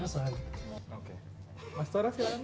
mas tora silahkan